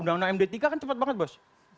undang undang md tiga kan cepat banget bos